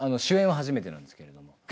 主演は初めてなんですけれども。